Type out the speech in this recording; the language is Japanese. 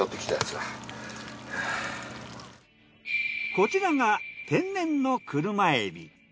こちらが天然のクルマエビ。